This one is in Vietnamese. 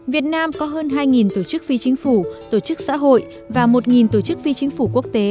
việt nam có hơn hai tổ chức phi chính phủ tổ chức xã hội và một tổ chức phi chính phủ quốc tế